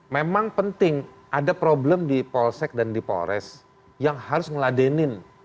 memang penting ada problem di polsek dan di polres yang harus ngeladenin